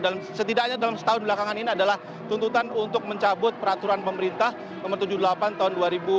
dan setidaknya dalam setahun belakangan ini adalah tuntutan untuk mencabut peraturan pemerintah nomor tujuh puluh delapan tahun dua ribu lima belas